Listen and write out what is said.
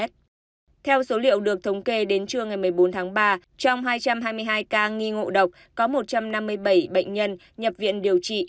theo số liệu được thống kê đến trưa ngày một mươi bốn tháng ba trong hai trăm hai mươi hai ca nghi ngộ độc có một trăm năm mươi bảy bệnh nhân nhập viện điều trị